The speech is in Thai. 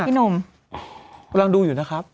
กำลังดูอยู่นะครับ